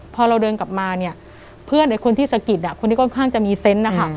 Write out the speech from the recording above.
พอเราเดินกลับมาเนี่ยเพื่อนคนที่สะกิดคนที่ค่อนข้างจะมีเซนต์นะคะ